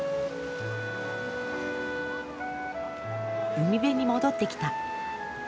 海辺に戻ってきた。